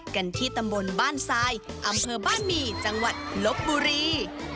กันที่ตำบลบ้านทรายอำเภอบ้านหมี่จังหวัดลบบุรี